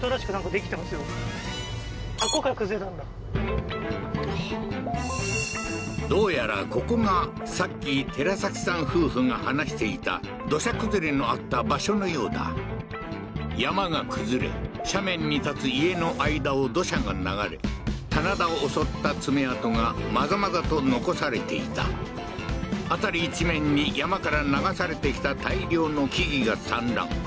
これどうやらここがさっき寺崎さん夫婦が話していた土砂崩れのあった場所のようだ山が崩れ斜面に立つ家の間を土砂が流れ棚田を襲った爪痕がまざまざと残されていた辺り一面に山から流されてきた大量の木々が散乱